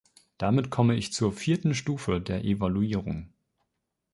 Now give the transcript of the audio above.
Damit komme ich zur vierten Stufe, der Evaluierung.